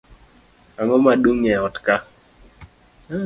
Ang'oma dung' e ot kaa?